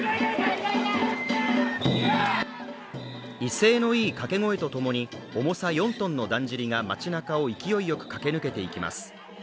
威勢のいい掛け声とともに、重さ４ｔのだんじりが街なかを勢いよく駆け抜けていきます。